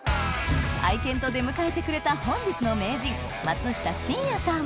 愛犬と出迎えてくれた本日の名人松下信也さん